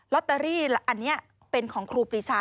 อตเตอรี่อันนี้เป็นของครูปรีชา